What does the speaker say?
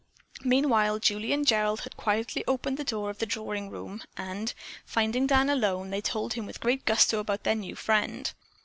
Meanwhile Julie and Gerald had quietly opened the door of the drawing room, and, finding Dan alone, they told him with great gusto about their new friend.